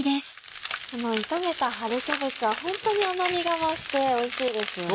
炒めた春キャベツはホントに甘みが増しておいしいんですよね。